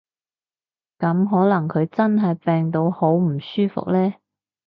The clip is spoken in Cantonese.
噉可能佢真係病到好唔舒服呢